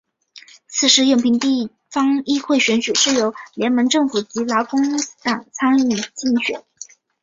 当时永平地方议会选举是由联盟政府及劳工党参与竞选。